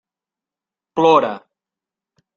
Plora.